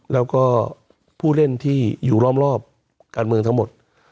แล้วก็ผู้เล่นที่อยู่รอบการเมืองทั้งหมด